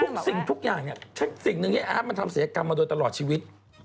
สิ่งทุกอย่างเนี่ยสิ่งหนึ่งที่อาร์ตมันทำศัยกรรมมาโดยตลอดชีวิต